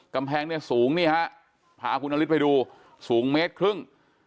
กำแพงเนี่ยสูงนี่ฮะพาคุณนฤทธิไปดูสูงเมตรครึ่ง